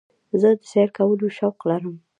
زه د سیل کولو شوق لرم.